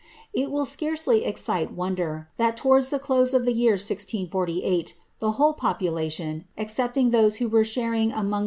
ill srarceJy excite wonder, that towards the close of the year he whole population, excepting those who were sharing among